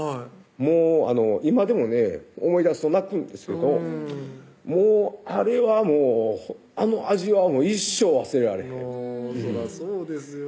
もう今でもね思い出すと泣くんですけどあれはもうあの味は一生忘れられへんそらそうですよ